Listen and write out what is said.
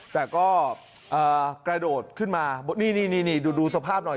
แต่ก็กระโดดขึ้นมานี่ดูสภาพหน่อย